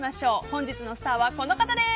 本日のスターはこの方です。